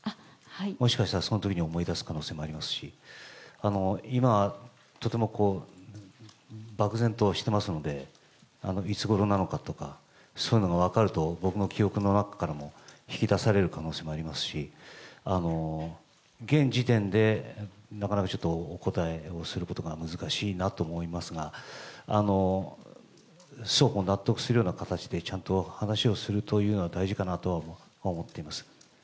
もしかしたら、そのときに思い出すこともあるかもしれませんし、今、とても漠然としていますので、いつごろなのかとか、そういうのが分かると、僕の記憶の中からも引き出される可能性もありますし、現時点でなかなかちょっとお答えをすることが難しいなと思いますが、双方納得するような形で、ちゃんと話をするというのは大事かなとは思っています。